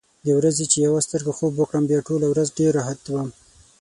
د ورځې چې یوه سترګه خوب وکړم، بیا ټوله ورځ ډېر راحت وم.